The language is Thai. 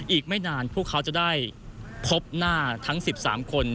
อีกไม่นานพวกเขาจะได้พบหน้าทั้ง๑๓คน